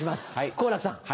好楽さん。